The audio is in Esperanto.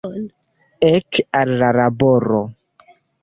Ek, al la laboro!